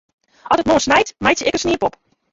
As it moarn snijt, meitsje ik in sniepop.